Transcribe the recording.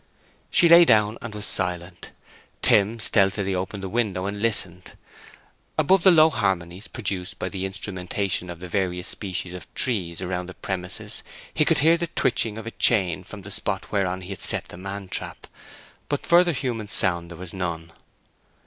She lay down and was silent. Tim stealthily opened the window and listened. Above the low harmonies produced by the instrumentation of the various species of trees around the premises he could hear the twitching of a chain from the spot whereon he had set the man trap. But further human sound there was none.